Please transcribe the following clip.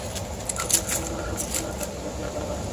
সতীশ অনুনয়ের সহিত বিনয়ের হাত ধরিয়া কহিল, কেন পারবেন না?